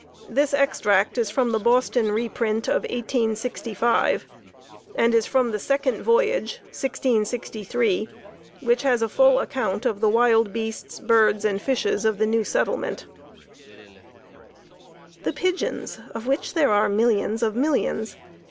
This extract is from the Boston reprint of 1865, and is from the "Second Voyage" (1663), which has a full account of the wild beasts, birds and fishes of the new settlement: "The Pidgeons, of which there are millions of millions.